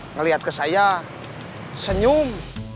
ngeliat ke saya senyum